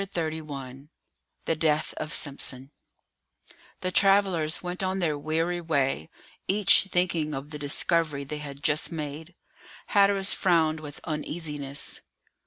CHAPTER XXXI THE DEATH OF SIMPSON The travellers went on their weary way, each thinking of the discovery they had just made. Hatteras frowned with uneasiness.